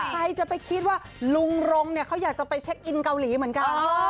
ใครจะไปคิดว่าลุงรงเนี่ยเขาอยากจะไปเช็คอินเกาหลีเหมือนกัน